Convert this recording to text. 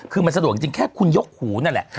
คือมันสะดวกจริงแค่คุณยกหูนั่นแหละ